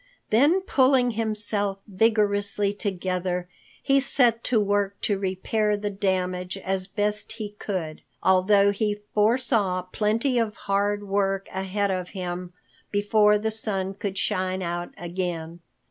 Then pulling himself vigorously together, he set to work to repair the damage as best he could, although he foresaw plenty of hard work ahead of him before the sun could shine out again.